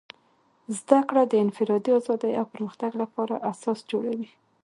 زدهکړه د انفرادي ازادۍ او پرمختګ لپاره اساس جوړوي.